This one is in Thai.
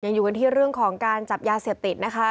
อยู่กันที่เรื่องของการจับยาเสพติดนะคะ